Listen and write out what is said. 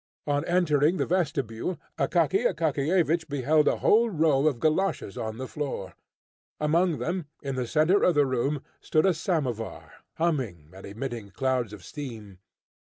On entering the vestibule, Akaky Akakiyevich beheld a whole row of goloshes on the floor. Among them, in the centre of the room, stood a samovar, humming and emitting clouds of steam.